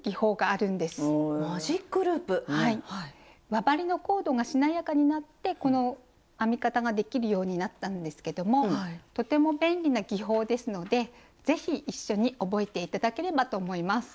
輪針のコードがしなやかになってこの編み方ができるようになったんですけどもとても便利な技法ですので是非一緒に覚えて頂ければと思います。